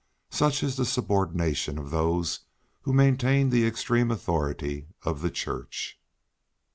Such is the subordination of those who maintain the extreme authority of the Church!